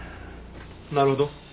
なるほど。